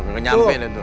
nge nyampe tuh